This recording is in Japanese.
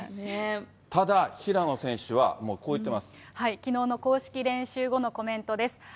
ただ、平野選手はもうこう言きのうの公式練習後のコメントです。